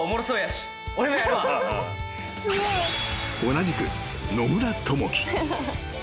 ［同じく野村友輝］